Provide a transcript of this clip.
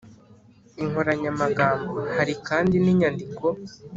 inkoranyamagambo Hari kandi n’imyandiko